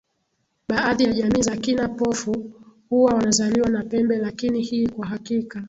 baadhi ya jamii za kina pofu huwa wanazaliwa na pembe Lakini hii kwa hakika